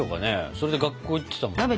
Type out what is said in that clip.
それで学校行ってたんですよね。